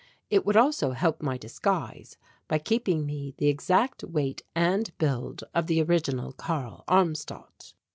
It would also help my disguise by keeping me the exact weight and build of the original Karl Armstadt.